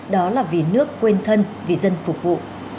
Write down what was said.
đó là vì nước quên thân vì dân phục vụ